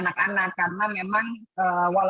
terima kasih tentunya